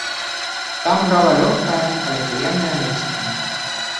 Там грала лёгкая, але прыемная музыка.